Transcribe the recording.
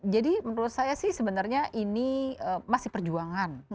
jadi menurut saya sih sebenarnya ini masih perjuangan